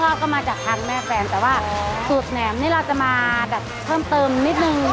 ก็มาจากทางแม่แฟนแต่ว่าสูตรแหนมนี่เราจะมาแบบเพิ่มเติมนิดนึง